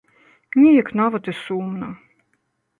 Неяк нават і сумна.